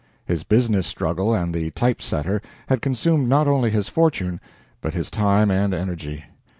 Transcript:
His business struggle and the type setter had consumed not only his fortune, but his time and energy.